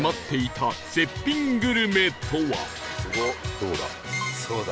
どうだ？